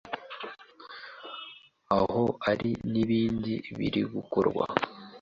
aho ari n’ibindi birigukorwa